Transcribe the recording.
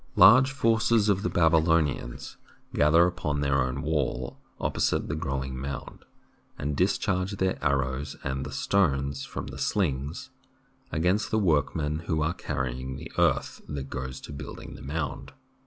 Large forces of the Babylonians gather upon their own wall opposite the growing mound and discharge their arrows and the stones from the slings against the workmen who are carrying the earth that goes to building the mound.